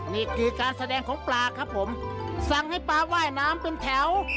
นี่คือการแสดงของปลาครับผมสั่งให้ปลาว่ายน้ำเป็นแถว